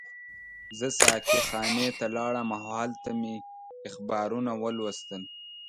زه ساقي خانې ته لاړم او هلته مې اخبارونه ولوستل.